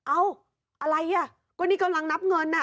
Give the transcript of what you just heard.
อะไรอ่ะก็นี่กำลังนับเงินน่ะ